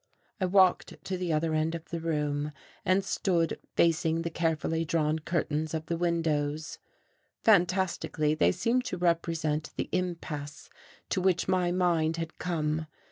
I walked to the other end of the room, and stood facing the carefully drawn curtains of the windows; fantastically, they seemed to represent the impasse to which my mind had come.